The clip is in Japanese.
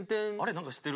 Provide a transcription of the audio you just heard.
なんか知ってる。